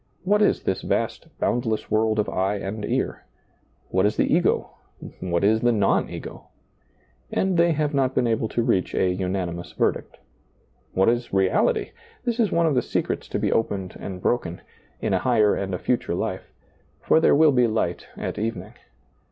What is this vast, boundless world of eye and ear ? What is the ego ? What is the non ego ? And they have not been able to reach i verdict What is reality? This is ^lailizccbvGoOgle 94 SEEING DARKLY one of the secrets to be opened and broken — in a higher and a future life — for there will be light at evening.